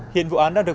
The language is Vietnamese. hiện vụ án đang được